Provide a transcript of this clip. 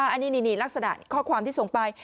อันนี้ลักษณะข้อความที่ส่งไป